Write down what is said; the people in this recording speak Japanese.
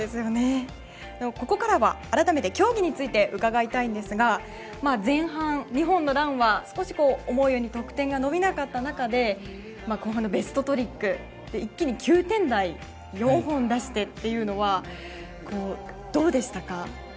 ここからは改めて競技について伺いたいんですが前半、２本のランは少し、思うように得点が伸びなかった中で後半のベストトリックで一気に９点台４本出してというのはどうでしたか？